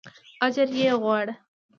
اجر یې غواړه.